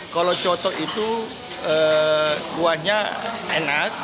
kalau coto itu kuahnya enak